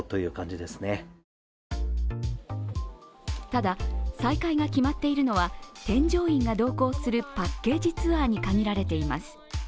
ただ、再開が決まっているのは添乗員が同行するパッケージツアーに限られていてます。